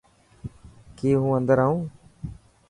ڪي هون اندر آئون.